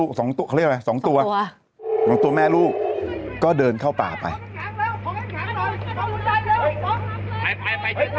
เป็นการกระตุ้นการไหลเวียนของเลือด